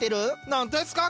何ですか？